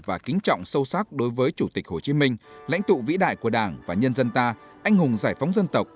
và kính trọng sâu sắc đối với chủ tịch hồ chí minh lãnh tụ vĩ đại của đảng và nhân dân ta anh hùng giải phóng dân tộc